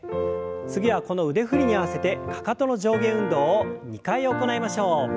次はこの腕振りに合わせてかかとの上下運動を２回行いましょう。